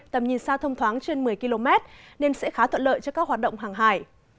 tầm nhìn xa thông thoáng trên một mươi km nên sẽ khá tuận lợi cho các hoạt động hàng hải